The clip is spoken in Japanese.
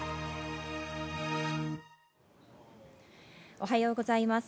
おはようございます。